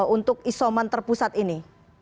untuk isoman terpusat ini